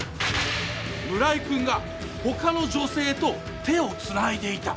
村井君が他の女性と手をつないでいた